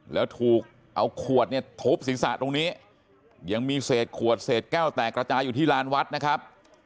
แล้วถูกเอาขวดเนี่ยทุบศีรษะตรงนี้ยังมีเศษขวดเศษแก้วแตกระจายอยู่ที่ลานวัดนะครับ